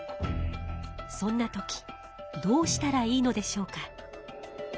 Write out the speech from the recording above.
そんな時どうしたらいいのでしょうか？